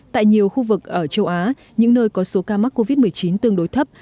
tại nhiều khu vực ở châu á những nơi có số ca mắc covid một mươi chín tương đối thấp